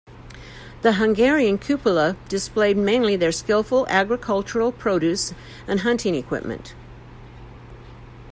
The Hungarian cupola displayed mainly their skillful agricultural produce and hunting equipment.